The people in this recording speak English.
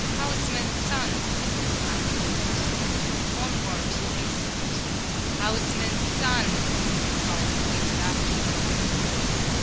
"Houseman's son!" cried the wind. Onward he hastened. "Houseman's son!" howled the wind after him.